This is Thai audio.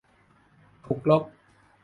ถูกลบ